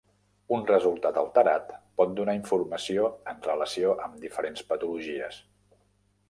Un resultat alterat pot donar informació en relació amb diferents patologies.